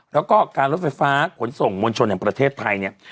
แล้วก็การรถไฟฟ้าขนส่งมวลชนแห่งประเทศไทยเนี่ย